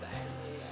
saya kira tidak